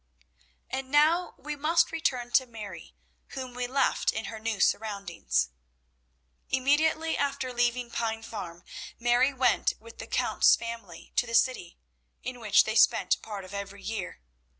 And now we must return to Mary whom we left in her new surroundings. Immediately after leaving Pine Farm, Mary went with the Count's family to the city, in which they spent part of every year.